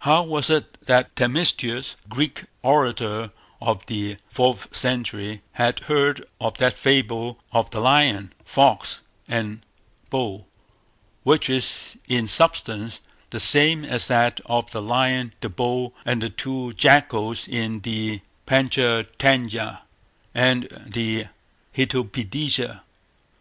How was it that Themistius, a Greek orator of the fourth century had heard of that fable of the lion, fox, and bull, which is in substance the same as that of the lion, the bull, and the two jackals in the Pantcha Tantya and the Hitopadesa?